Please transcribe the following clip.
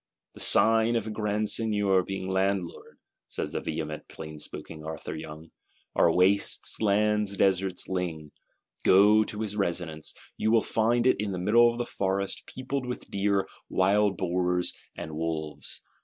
"The sign of a Grand Seigneur being landlord," says the vehement plain spoken Arthur Young, "are wastes, landes, deserts, ling: go to his residence, you will find it in the middle of a forest, peopled with deer, wild boars and wolves.